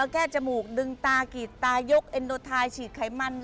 แก้จมูกดึงตากรีดตายกเอ็นโดไทฉีดไขมัน